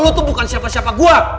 lo tuh bukan siapa siapa gue